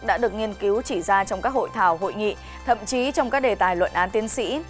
đã được nghiên cứu chỉ ra trong các hội thảo hội nghị thậm chí trong các đề tài luận án tiến sĩ